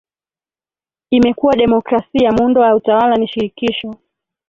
imekuwa demokrasia Muundo wa utawala ni shirikisho